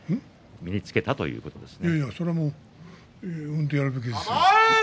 身につけたということです。